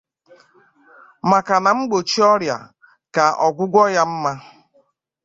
maka na mgbochi ọrịa ka ọgwụgwọ ya mma.